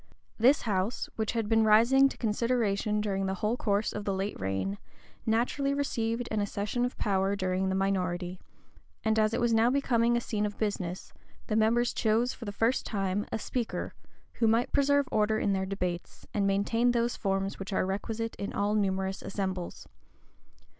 This house, which had been rising to consideration during the whole course of the late reign, naturally received an accession of power during the minority; and as it was now becoming a scene of business, the members chose for the first time a speaker, who might preserve order in their debates, and maintain those forms which are requisite in all numerous assembles.